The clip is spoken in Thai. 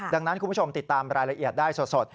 ดังนั้นคุณผู้ชมติดตามรายละเอียดได้สด